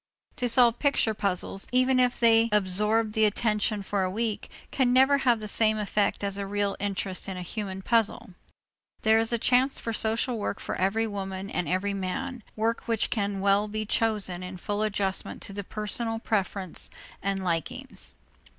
To solve picture puzzles, even if they absorb the attention for a week, can never have the same effect as a real interest in a human puzzle. There is a chance for social work for every woman and every man, work which can well be chosen in full adjustment to the personal preference and likings.